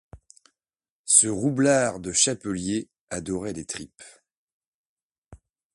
Ce roublard de chapelier adorait les tripes.